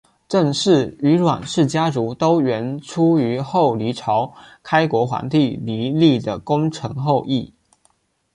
郑氏与阮氏家族都源出于后黎朝开国皇帝黎利的功臣后裔。